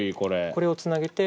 これをつなげて。